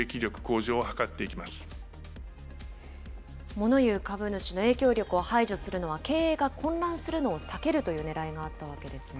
もの言う株主の影響力を排除するのは、経営が混乱するのを避けるというねらいがあったわけですね。